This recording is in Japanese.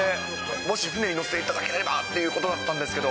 もし船に乗せていただければということだったんですけど。